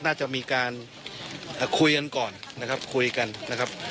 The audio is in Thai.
น่าจะมีการคุยกันก่อนนะครับคุยกันนะครับ